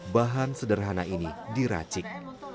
bahan sederhana ini diracik